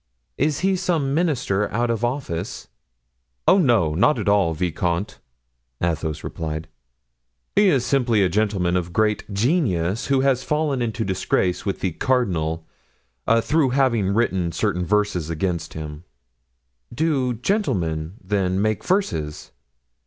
Is he some minister out of office?" "Oh, no, not at all, vicomte," Athos replied; "he is simply a gentleman of great genius who has fallen into disgrace with the cardinal through having written certain verses against him." "Do gentlemen, then, make verses?"